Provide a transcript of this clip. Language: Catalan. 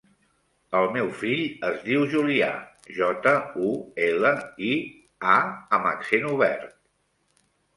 El meu fill es diu Julià: jota, u, ela, i, a amb accent obert.